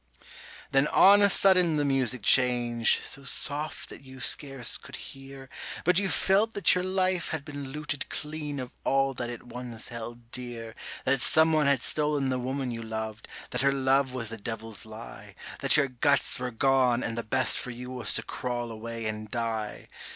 Then on a sudden the music changed, so soft that you scarce could hear; But you felt that your life had been looted clean of all that it once held dear; That someone had stolen the woman you loved; that her love was a devil's lie; That your guts were gone, and the best for you was to crawl away and die.